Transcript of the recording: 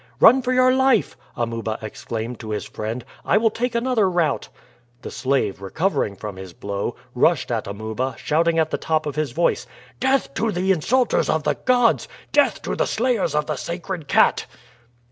"Run for your life!" Amuba exclaimed to his friend. "I will take another route." The slave, recovering from his blow, rushed at Amuba, shouting at the top of his voice: "Death to the insulters of the gods! Death to the slayers of the sacred cat!"